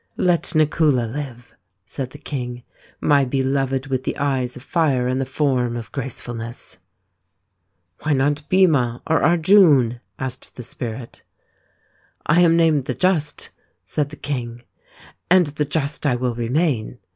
" Let Nakula live," said the king, " my beloved with the eyes of fire and the form of gracefulness." " Why not Bhima or Arjun ?" asked the Spirit. " I am named ' the Just/ " said the king, " and c the Just ' I will remain.